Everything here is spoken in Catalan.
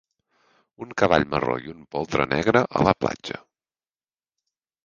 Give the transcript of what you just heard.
Un cavall marró i un poltre negre a la platja.